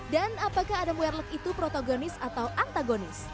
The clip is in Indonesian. dan apakah adam warlock itu protagonis atau antagonis